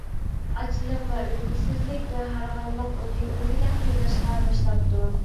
ئاچلىق ۋە ئۈمىدسىزلىك ۋە ھارغىنلىق ئۇنى ئۆلگۈدەك قىيناشقا باشلاپتۇ.